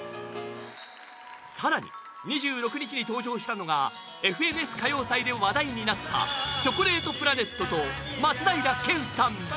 さらに２６日に登場したのは「ＦＮＳ歌謡祭」で話題になったチョコレートプラネットと松平健さん。